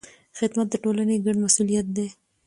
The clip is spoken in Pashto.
خدمت د ټولنې ګډ مسؤلیت دی.